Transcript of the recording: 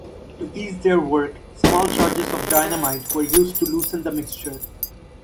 To ease their work, small charges of dynamite were used to loosen the mixture.